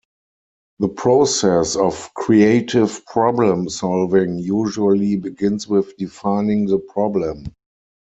The process of creative problem-solving usually begins with defining the problem.